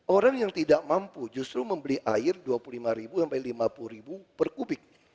orang yang tidak mampu justru membeli air dua puluh lima sampai rp lima puluh per kubik